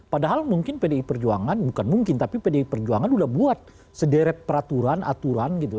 padahal mungkin pdi perjuangan bukan mungkin tapi pdi perjuangan sudah buat sederet peraturan aturan gitu